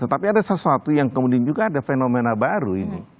tetapi ada sesuatu yang kemudian juga ada fenomena baru ini